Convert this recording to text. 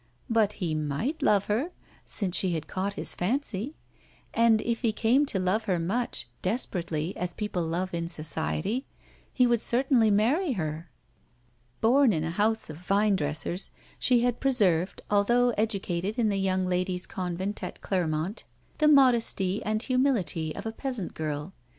But he might love her, since she had caught his fancy. And if he came to love her much, desperately, as people love in society, he would certainly marry her. Born in a house of vinedressers, she had preserved, although educated in the young ladies' convent at Clermont, the modesty and humility of a peasant girl.